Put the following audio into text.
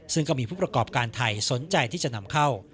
ซึ่งก็มีผู้ประกอบการไทยสนใจที่จะนำเข้า